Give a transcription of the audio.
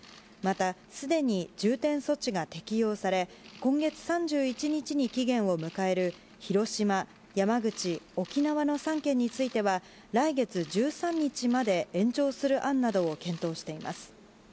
また、すでに重点措置が適用され今月３１日に期限を迎える広島、山口、沖縄の３県については来月１３日まで延長する案などを検討しています。